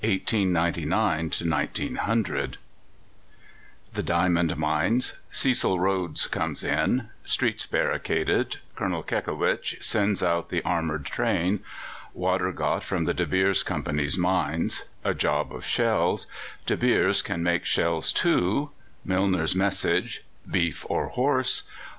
CHAPTER XXIV THE SIEGE OF KIMBERLEY (1899 1900) The diamond mines Cecil Rhodes comes in Streets barricaded Colonel Kekewich sends out the armoured train Water got from the De Beers Company's mines A job lot of shells De Beers can make shells too Milner's message Beef or horse?